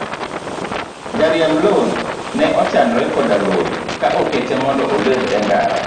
Jariemb lori ne ochandore koda lori ka okete mondo obed e ndara.